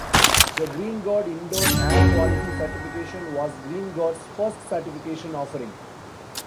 The Greenguard Indoor Air Quality Certification was Greenguard's first certification offering.